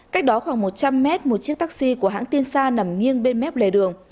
cách đó khoảng một trăm linh mét một chiếc taxi của hãng tin sa nằm nghiêng bên mép lề đường